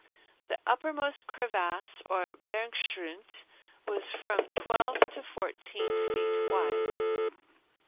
The uppermost crevasse or "bergeschrund" was from twelve to fourteen feet wide.